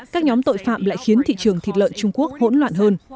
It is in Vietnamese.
các nhóm tội phạm lại khiến thị trường thịt lợn trung quốc hỗn loạn hơn